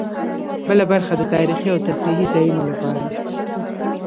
بله برخه د تاریخي او تفریحي ځایونو لپاره.